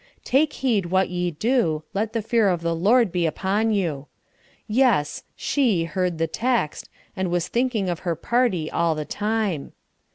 "Take heed what ye do; let the fear of the Lord be upon you." Yes, she heard the text, and was thinking of her party all the time.